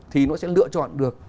thì nó sẽ lựa chọn được